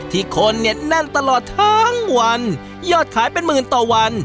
คนเนี่ยแน่นตลอดทั้งวันยอดขายเป็นหมื่นต่อวัน